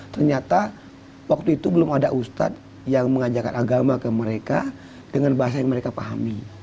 ternyata waktu itu belum ada ustadz yang mengajarkan agama ke mereka dengan bahasa yang mereka pahami